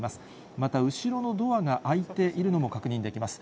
また後ろのドアが開いているのも確認できます。